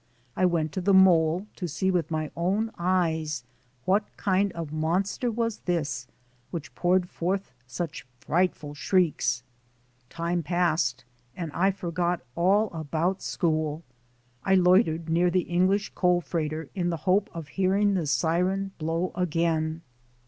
I went to the mole to see with my own eyes what kind of a monster was this which poured forth such frightful shrieks. Time passed and I forgot all about school; I loi tered near the English coal freighter in the hope of THE CALL OF THE SEA 87 hearing the siren blow again.